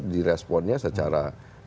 di responnya secara